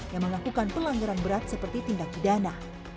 yang melakukan pelanggaran berat seperti tindak pidana